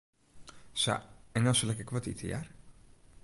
Sa, en no sil ik ek wat ite, hear.